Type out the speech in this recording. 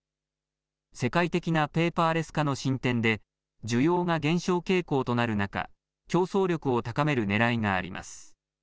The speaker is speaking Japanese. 世界的なペーパーレス化の進展で、需要が減少傾向となる中、競争力を高めるねらいがあります。